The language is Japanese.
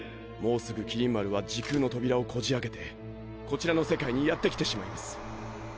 もうすぐ麒麟丸は時空の扉をこじ開けてこちらの世界にやって来てしまいます。